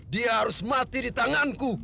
dia harus mati di tanganku